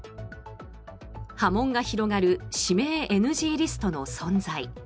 波紋が広がる指名ＮＧリストの存在。